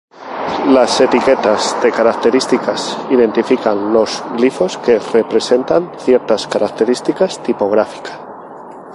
Las etiquetas de características identifican los glifos que representan cierta característica tipográfica.